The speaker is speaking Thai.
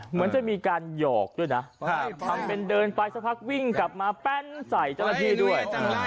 เหมือนจะมีการหยอกด้วยนะทำเป็นเดินไปสักพักวิ่งกลับมาแป้นใส่เจ้าหน้าที่ด้วย